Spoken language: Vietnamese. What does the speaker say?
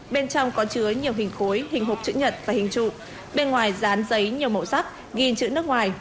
bên trong có chứa nhiều hình khối hình hộp chữ nhật và hình trụ bên ngoài dán giấy nhiều màu sắc ghi chữ nước ngoài